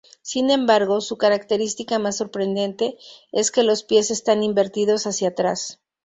Sin embargo, su característica más sorprendente es que los pies están invertidos hacia atrás.